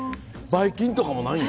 ばい菌とかもないの？